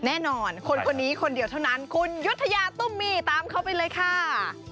แน่นอนคนคนนี้คนเดียวเท่านั้นคุณยุธยาตุ้มมี่ตามเขาไปเลยค่ะ